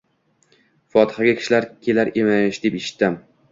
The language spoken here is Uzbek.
Fotihaga kishilar kelar emish, deb eshitdim.